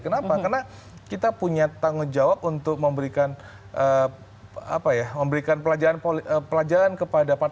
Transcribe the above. kenapa karena kita punya tanggung jawab untuk memberikan pelajaran kepada partai